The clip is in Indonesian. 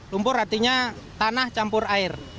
lumpur artinya tanah campur air